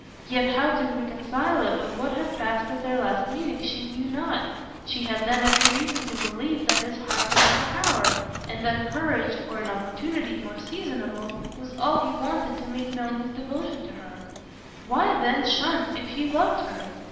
Yet how to reconcile it with what had passed at their last meeting she knew not; she had then every reason to believe that his heart was in her power, and that courage, or an opportunity more seasonable, was all he wanted to make known his devotion to her; why, then, shun if he loved her?